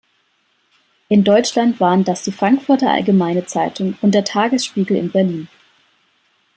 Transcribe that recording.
In Deutschland waren das die Frankfurter Allgemeine Zeitung und Der Tagesspiegel in Berlin.